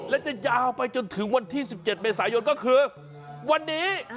และจะยาวไปจนถึงวันที่๑๗เมษายนก็คือวันนี้